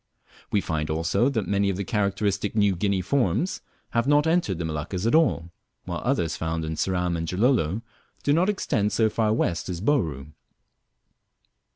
We find, also, that many very characteristic New Guinea forms lave not entered the Moluccas at all, while others found in Ceram and Gilolo do not extend so far west as Bouru.